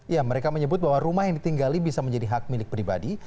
ya mereka menyebut bahwa rumah yang ditinggali bisa menjadi hak milik pribadi